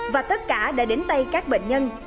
và tất cả đã đến tay các bệnh nhân